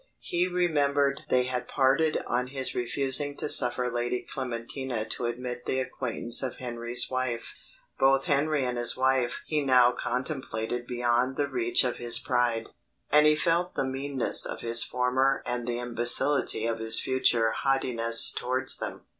He remembered they had parted on his refusing to suffer Lady Clementina to admit the acquaintance of Henry's wife. Both Henry and his wife he now contemplated beyond the reach of his pride; and he felt the meanness of his former and the imbecility of his future haughtiness towards them.